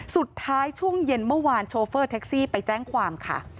ช่วงเย็นเมื่อวานโชเฟอร์แท็กซี่ไปแจ้งความค่ะ